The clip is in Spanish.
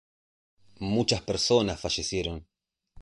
Muchas personas fallecieron.